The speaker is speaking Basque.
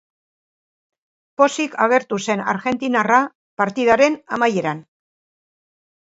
Pozik agertu zen argentinarra partidaren amaieran.